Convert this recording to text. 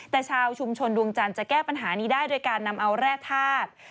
แต่ชาวชุมชนดวงจันทร์จะแก้ปัญหานี้ได้โดยการนำเอาแร่ธาตุ